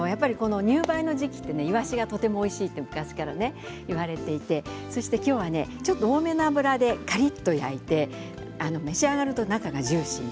入梅の時期はイワシがとてもおいしいと昔からいわれていてきょうはちょっと多めの油でカリっと焼いて召し上がると中がジューシー。